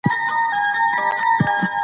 ځان مې ورته اور، لمبه کړ.